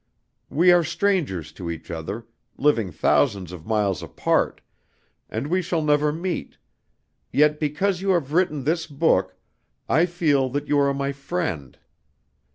We are strangers to each other, living thousands of miles apart, and we shall never meet; yet because you have written this book, I feel that you are my friend.